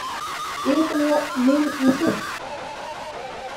Iepenje Myn muzyk.